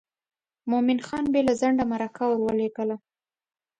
مومن خان بې له ځنډه مرکه ور ولېږله.